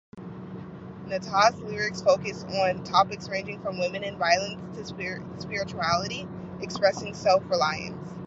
Natas' lyrics focus on topics ranging from women and violence to spirituality, expressing self-reliance.